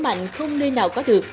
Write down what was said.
thế mạnh không nơi nào có được